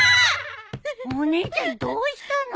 お姉ちゃんどうしたの？